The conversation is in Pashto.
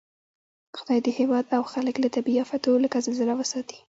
خدای دې هېواد او خلک له طبعي آفتو لکه زلزله وساتئ